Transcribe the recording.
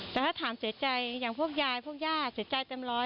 แต่ถ้าถามเสียใจอย่างพวกยายพวกย่าเสียใจเต็มร้อย